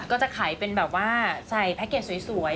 ก็จะขายเป็นแบบว่าใส่แพ็คเกจสวยให้ผู้ชมด้วย